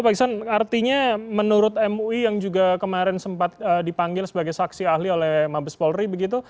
pak iksan artinya menurut mui yang juga kemarin sempat dipanggil sebagai saksi ahli oleh mabes polri begitu